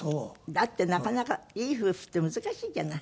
だってなかなかいい夫婦って難しいじゃない。